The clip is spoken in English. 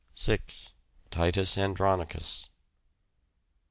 6. Titus Andronicus.